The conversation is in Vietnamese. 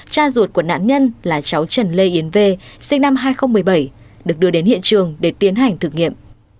cha ruột của nạn nhân là cháu trần lê yến v sinh năm hai nghìn một mươi bảy được đưa đến hiện trường để tiến hành thử nghiệm